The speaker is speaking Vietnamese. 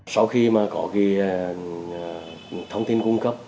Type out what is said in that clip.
sau khi có thông tin cung cấp